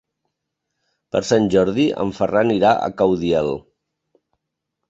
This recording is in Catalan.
Per Sant Jordi en Ferran irà a Caudiel.